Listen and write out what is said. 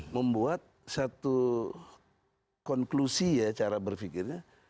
membuat satu konklusi ya cara berpikirnya